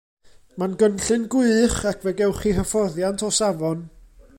Mae'n gynllun gwych ac fe gewch chi hyfforddiant o safon.